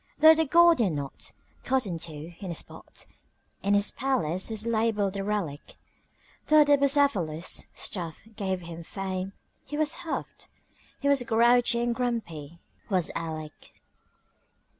Though the Gordian knot, cut in two, in a spot In his palace was labeled a relic, Though Bucephalus, stuffed, gave him fame, he was huffed He was grouchy and grumpy, was Aleck.